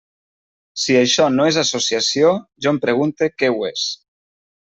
Si això no és associació, jo em pregunte què ho és.